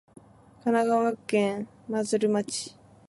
神奈川県真鶴町